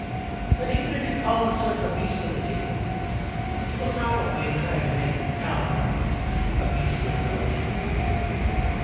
But even if you call the serf a beast of the field, he was not what we have tried to make the town workman a beast with no field.